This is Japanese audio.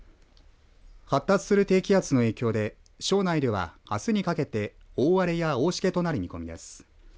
発達する低気圧の影響で庄内では、あすにかけて大荒れや大しけとなる見込みです。